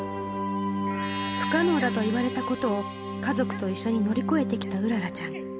不可能だと言われたことを、家族と一緒に乗り越えてきた麗ちゃん。